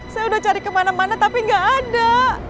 saya udah cari kemana mana tapi gak ada